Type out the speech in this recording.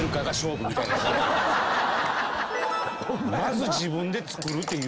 まず自分で作るっていう。